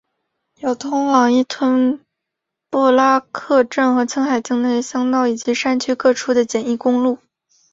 有通往依吞布拉克镇和青海境内的乡道以及山区各处的简易公路。